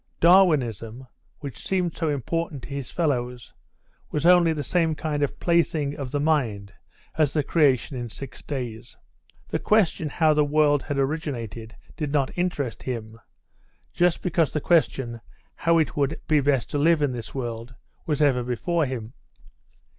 Darwinism, which seemed so important to his fellows, was only the same kind of plaything of the mind as the creation in six days. The question how the world had originated did not interest him, just because the question how it would be best to live in this world was ever before him.